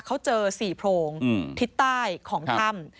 เขาเจอ๔โพรงทิศใต้ของถ้ำ